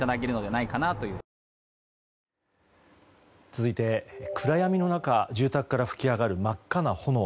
続いて暗闇の中住宅街から噴き上がる真っ赤な炎。